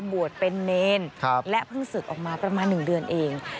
บวชเป็นเนรและเพิ่งศึกออกมาประมาณ๑เดือนเอง